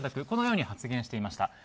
このように発言していました。